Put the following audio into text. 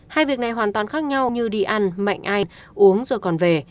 hai việc này hoàn toàn khác nhau như đi ăn mạnh ai uống rồi còn về